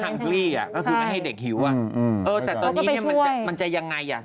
นี่คือโอกาสคุณ